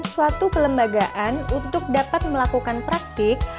suatu kelembagaan untuk dapat melakukan praktik